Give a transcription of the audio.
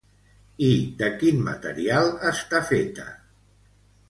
I de quin material està feta?